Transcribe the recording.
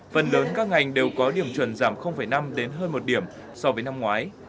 phần lớn các ngành đều có điểm chuẩn giảm năm đến hơn một điểm so với năm ngoái